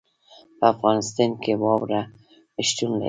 په افغانستان کې واوره شتون لري.